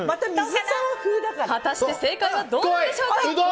果たして正解はどうなんでしょう。